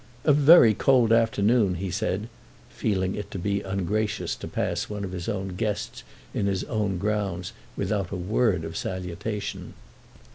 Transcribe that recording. "A very cold afternoon," he said, feeling it to be ungracious to pass one of his own guests in his own grounds without a word of salutation.